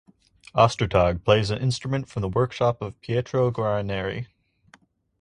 Ostertag plays an instrument from the workshop of Pietro Guarneri.